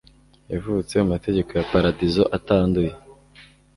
Yavutse mu mategeko ya paradizo itanduye